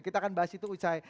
kita akan bahas itu usai